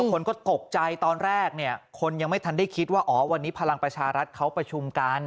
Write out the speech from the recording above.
คนก็ตกใจตอนแรกเนี่ยคนยังไม่ทันได้คิดว่าอ๋อวันนี้พลังประชารัฐเขาประชุมกัน